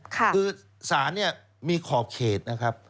คือศาลเนี่ยมีขอบเขตนะครับ